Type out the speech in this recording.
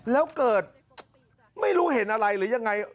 แล้วเกิดไม่รู้เห็นอะไรหรือยังไง